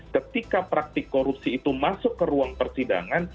ketika praktik korupsi itu masuk ke ruang persidangan